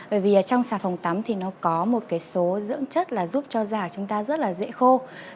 bởi vì trong xà phòng tắm thì nó có một số dưỡng chất giúp cho da chúng ta rất là dễ khô